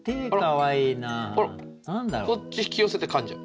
こっち引き寄せてかんじゃう。